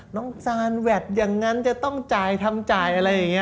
ซานแวดอย่างนั้นจะต้องจ่ายทำจ่ายอะไรอย่างนี้